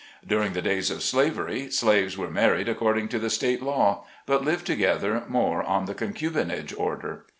During the days of slavery slaves were married according to the state law, but lived together more on the concubinage order.